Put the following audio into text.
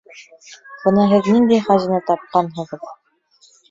— Бына һеҙ ниндәй хазина тапҡанһығыҙ!